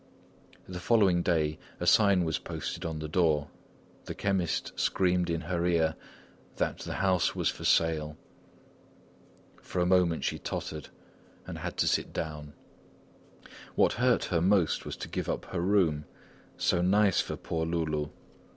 The following day a sign was posted on the door; the chemist screamed in her ear that the house was for sale. For a moment she tottered, and had to sit down. What hurt her most was to give up her room, so nice for poor Loulou!